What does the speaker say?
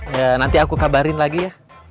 ya nanti aku kabarin lagi ya